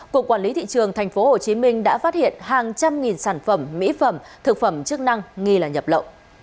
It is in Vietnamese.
cục quản lý thị trường tp hcm đã phát hiện hàng trăm nghìn sản phẩm mỹ phẩm thực phẩm chức năng nghi là nhập lậu